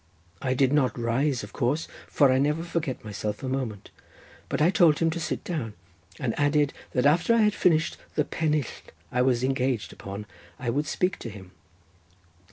I did not rise, of course, for I never forget myself a moment, but I told him to sit down, and added that after I had finished the pennill I was engaged upon, I would speak to him.